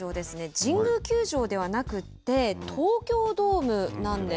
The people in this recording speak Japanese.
神宮球場ではなくて東京ドームなんです。